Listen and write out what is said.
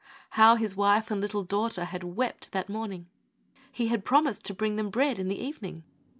How his wife and little daughter had wept that morn ing! He had promised to bring them bread in the even ing.